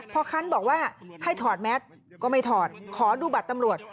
พอคันบอกว่าให้ถอดแมทก็ไม่ถอดขอดูบัตรตำรวจ